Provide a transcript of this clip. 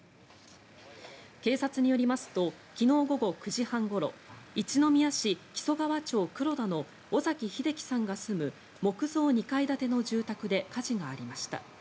警察によりますと昨日午後９時半ごろ一宮市木曽川町黒田の尾碕秀樹さんが住む木造２階建ての住宅で火事がありました。